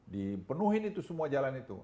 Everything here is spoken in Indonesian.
dipenuhin itu semua jalan itu